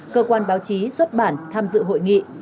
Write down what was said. cơ quan báo chí xuất bản tham dự hội nghị